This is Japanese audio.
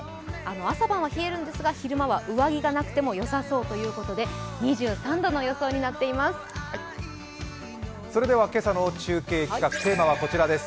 朝晩は冷えるんですが、昼間は上着がなくてもよさそうということで、２３度の予想になっています。